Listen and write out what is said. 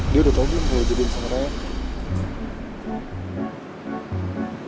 dia udah tau gimana mau jadiin sama ryan